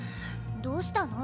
どうしたの？